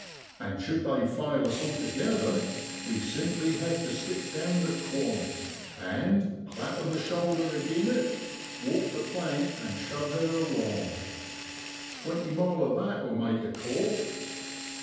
And should they fail us altogether, we simply hev to stick down the ' quant ' and, clappin' the shoulder agin it, walk the plank an' shove her along. Twenty mile of that will make yer cough